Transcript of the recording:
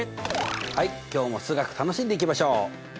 はい今日も数学楽しんでいきましょう！